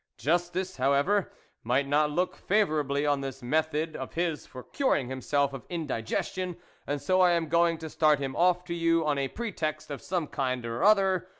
"Justice, however, might not look favourably on this method of his for curing himself of indigestion, and so I am going to start him off to you on a pretext of some kind or other.